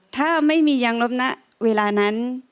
ถ้าไม่มียางลบนะเวลานั้น